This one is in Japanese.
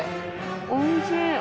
おいしい！